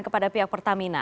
kepada pihak pertamina